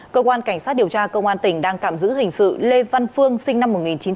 cơ quan cảnh sát điều tra công an tỉnh đang cạm giữ hình sự lê văn phương sinh năm một nghìn chín trăm chín mươi một